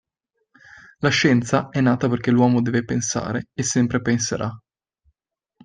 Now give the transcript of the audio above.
La scienza è nata perché l'uomo deve pensare e sempre penserà.